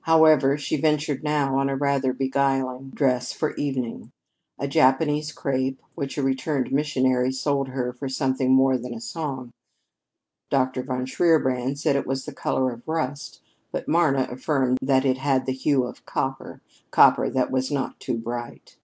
However, she ventured now on a rather beguiling dress for evening a Japanese crêpe which a returned missionary sold her for something more than a song. Dr. von Shierbrand said it was the color of rust, but Marna affirmed that it had the hue of copper copper that was not too bright.